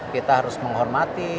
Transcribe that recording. kita harus menghormati